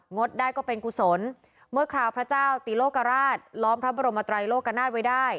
ดได้ก็เป็นกุศลเมื่อคราวพระเจ้าตีโลกราชล้อมพระบรมไตรโลกนาฏไว้ได้